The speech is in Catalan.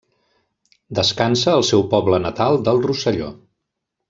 Descansa al seu poble natal del Rosselló.